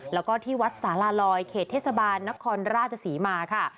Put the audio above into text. แล้วก็ที่วัดสาลาลอยเขตเทศบาลนครราชศรีมาค่ะ